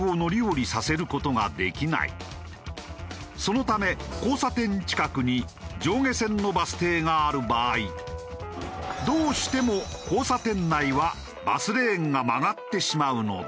そのため交差点近くに上下線のバス停がある場合どうしても交差点内はバスレーンが曲がってしまうのだ。